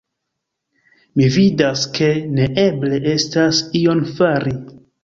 Mi vidas, ke neeble estas ion fari!